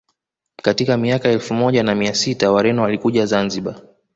Katika miaka ya elfu moja na mia sita Wareno walikuja Zanzibar